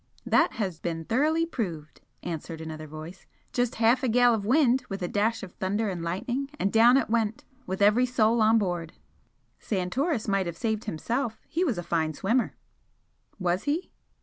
"That has been thoroughly proved," answered another voice "Just half a gale of wind with a dash of thunder and lightning, and down it went, with every soul on board." "Santoris might have saved himself. He was a fine swimmer." "Was he?"